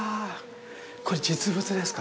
これ、実物ですか？